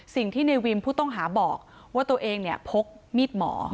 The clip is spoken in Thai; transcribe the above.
สิ่งที่ในวิมผู้ต้องหาบอกว่าตัวเองเนี่ยพกมีดหมอ